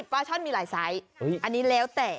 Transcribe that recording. ปลาช่อนมีหลายไซส์อันนี้แล้วแต่